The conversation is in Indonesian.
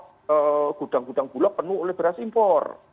stok gudang gudang gulok penuh oleh beras impor